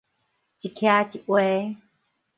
一徛一畫